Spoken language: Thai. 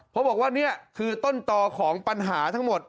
เพราะบอกว่านี่คือต้นต่อของปัญหาทั้งหมด